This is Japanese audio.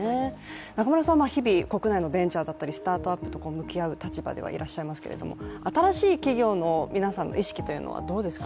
中村さんは日々、国内のベンチャーだったりスタートアップと向き合う立場でいらっしゃいますけど新しい企業の皆さんの意識というのはどうですか？